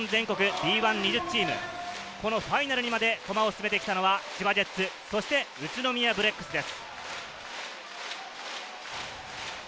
Ｂ１・２０チーム、このファイナルにまで駒を進めてきたのは千葉ジェッツ、そして宇都宮ブレックスです。